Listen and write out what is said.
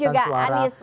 seperti tadi juga anies